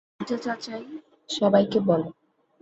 মির্জা চাচাই, সবাইকে বলে।